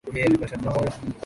Yeye alipata tumekula